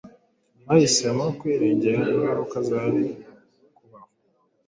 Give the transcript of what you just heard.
Bahisemo kwirengera ingaruka zari kubaho